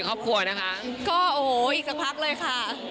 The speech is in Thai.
ก็โอ้โหอีกสักพักเลยค่ะ